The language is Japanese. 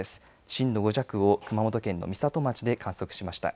震度５弱を熊本県の美里町で観測しました。